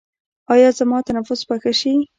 ایا زما تنفس به ښه شي؟